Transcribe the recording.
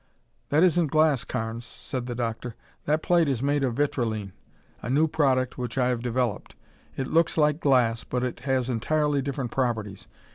"That isn't glass, Carnes," said the doctor. "That plate is made of vitrilene, a new product which I have developed. It looks like glass, but it has entirely different properties.